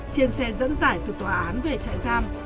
trên xe dẫn dải từ tòa án về trại giam